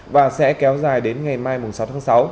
và sẽ kéo dài đến ngày mai sáu tháng sáu